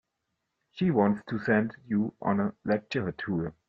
She wants to send you on a lecture tour.